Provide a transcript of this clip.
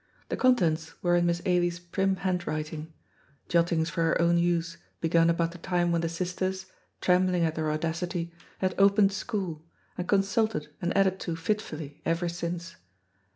The contents were in Miss Ailie's prim handwriting; jottings for her own use begun about the time when the sisters, trembling at their audacity, had opened school, and consulted and added to fitfully ever since.